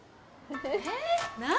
えっ何？